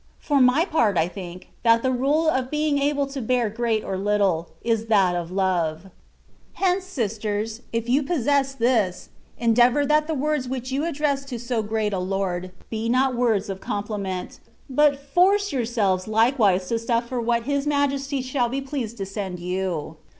For my part I think, that the rule of being able to bear great or little, is that of love. Hence, sisters, if you possess this, endeavour that the words which you address to so great a Lord, be not words of compliment: but force yourselves likewise to suffer what His Majesty M 162 THE WAY OF PERFECTION. thall be pleased to send you.